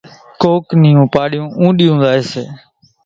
ڪونڪ نِيون پاڙون اونڏِيون زائيَ سي۔